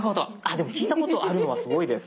でも聞いたことあるのはすごいです。